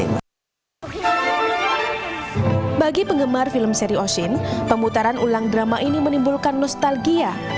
bagi penggemar film seri osin pemutaran ulang drama ini menimbulkan nostalgia